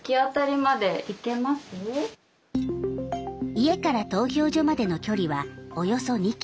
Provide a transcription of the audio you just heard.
家から投票所までの距離はおよそ２ｋｍ。